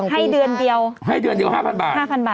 ๒ปีนะที่โควิดให้เดือนเดียว๕๐๐๐บาท